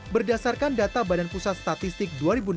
berdasarkan data badan pusat statistik dua ribu enam belas